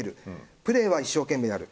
プレーも一生懸命やる。